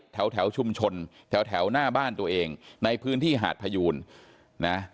แถวชุมชนแถวหน้าบ้านตัวเองในพื้นที่หาดพยูนนะ